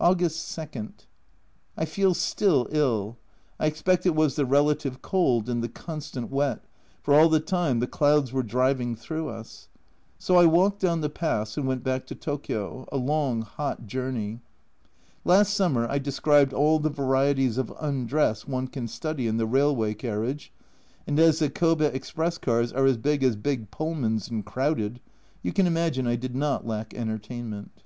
August 2. I feel still ill. I expect it was the relative cold and the constant wet, for all the time the clouds were driving through us. So I walked down the pass and went back to Tokio a long hot journey. Last summer I described all the varieties of undress one can study in the railway carriage, and as the Kobe express cars are as big as big Pullmans and crowded, you can imagine I did not lack entertainment.